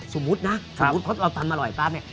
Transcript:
สมมุตินะสมมุติเพราะเราตำอร่อยปั๊บเนี่ย